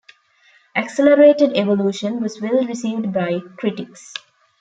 "Accelerated Evolution" was well received by critics.